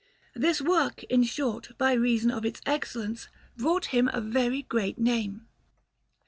This work, in short, by reason of its excellence, brought him a very great name.